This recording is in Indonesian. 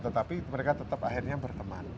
tetapi mereka tetap akhirnya berteman